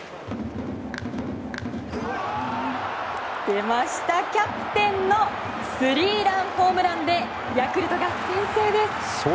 出ました、キャプテンのスリーランホームランでヤクルトが先制です。